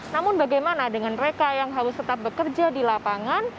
namun bagaimana dengan mereka yang harus tetap bekerja di lapangan